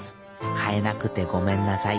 かえなくてごめんなさい。